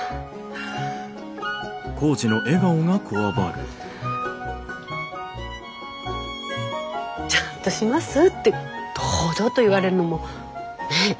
ああ。ちゃんとしますって堂々と言われんのもねえ